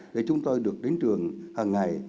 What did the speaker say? để chúng tôi được đến trường hằng ngày